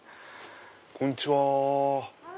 こんにちは。